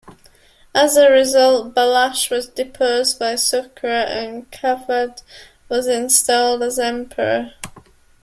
As a result, Balash was deposed by Sukhra, and Kavadh was installed as emperor.